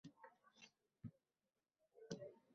faqat har ikkisi ham o'zini haqiqiy hisoblagan